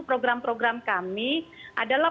program program kami adalah